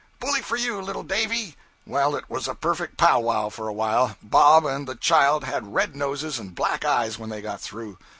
'Bully for you, little Davy!' Well, it was a perfect pow wow for a while. Bob and the Child had red noses and black eyes when they got through.